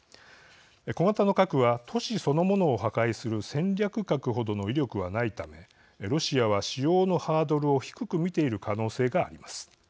小型の核は都市そのものを破壊する戦略核程の威力はないためロシアは使用のハードルを低く見ている可能性があります。